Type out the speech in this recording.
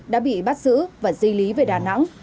đã bị bắt giữ và di lý về đà nẵng